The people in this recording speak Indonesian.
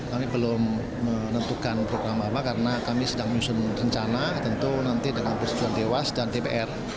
kami belum menentukan program apa karena kami sedang menyusun rencana tentu nanti dengan persetujuan dewas dan dpr